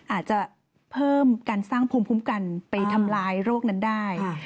อาจจะเพิ่มการสร้างภูมิคุ้มกันไปทำลายโรคนั้นได้